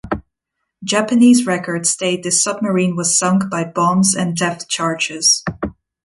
Japanese records state this submarine was sunk by bombs and depth charges.